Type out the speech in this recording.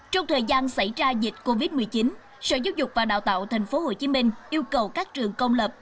trong thời gian xảy ra dịch covid một mươi chín sở giáo dục và đào tạo tp hcm yêu cầu các trường công lập